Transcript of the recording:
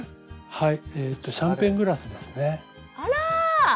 はい。